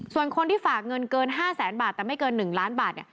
ส่วนคนที่ฝากเงินเกิน๕แสนบาทแต่ไม่เกิน๑ล้านบาทเนี่ย